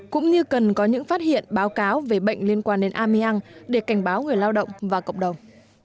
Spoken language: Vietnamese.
cũng như cần có những phát hiện báo cáo về bệnh liên quan đến ameang để cảnh báo người lao động và cộng đồng